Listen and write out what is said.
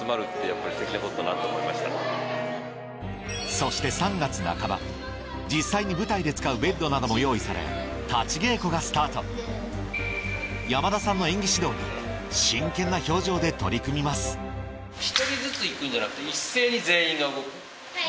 そして３月半ば実際に舞台で使うベッドなども用意され山田さんの演技指導に真剣な表情で取り組みますはい。